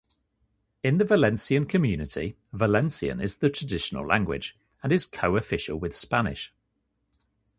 In the Valencian Community, Valencian is the traditional language and is co-official with Spanish.